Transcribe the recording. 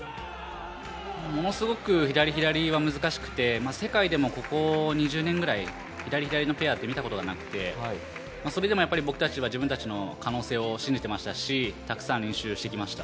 ものすごく左、左は難しくて、ここ１０年ぐらい左、左のペアって見たことがなくてそれでも僕たちは自分たちの可能性を信じていましたしたくさんの練習をしてきました。